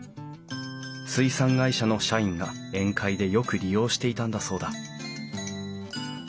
水産会社の社員が宴会でよく利用していたんだそうだ。